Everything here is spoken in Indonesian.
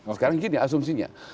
sekarang gini asumsinya